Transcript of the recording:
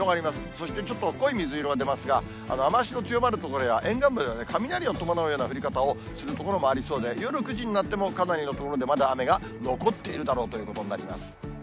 そしてちょっと濃い水色が出ますが、雨足の強まる所では、沿岸部、雷を伴うような降り方をする所もありそうで、夜９時になっても、かなりの所でまだ雨が残っているだろうということになります。